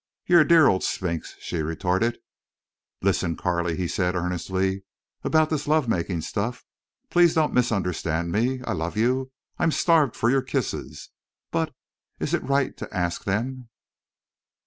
"You're a dear old Sphinx," she retorted. "Listen, Carley," he said, earnestly. "About this love making stuff. Please don't misunderstand me. I love you. I'm starved for your kisses. But—is it right to ask them?"